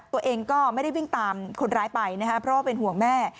ตัวเองก็ไม่ได้วิ่งตามคนร้ายไปนะครับเพราะว่าเป็นห่วงแม่